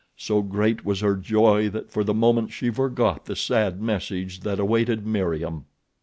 So great was her joy that for the moment she forgot the sad message that awaited Meriem.